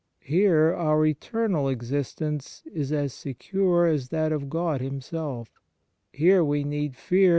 Here our eternal existence is as secure as that of God Himself ; here we need fear neither 1 Isa.